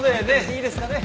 いいですかね。